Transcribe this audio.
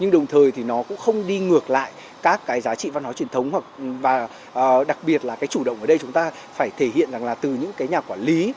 nhưng đồng thời thì nó cũng không đi ngược lại các cái giá trị văn hóa truyền thống và đặc biệt là cái chủ động ở đây chúng ta phải thể hiện rằng là từ những cái nhà quản lý